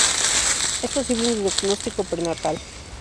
Es posible un diagnóstico prenatal.